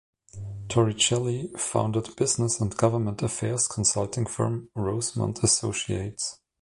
Torricelli founded business and government affairs consulting firm Rosemont Associates.